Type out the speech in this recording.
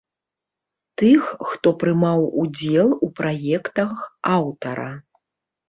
Тых, хто прымаў удзел у праектах аўтара.